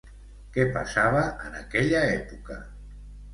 Què passava en aquella època?